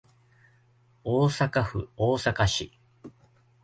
大阪府大阪市